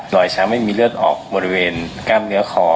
ช้ำไม่มีเลือดออกบริเวณกล้ามเนื้อคอ